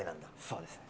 そうですね。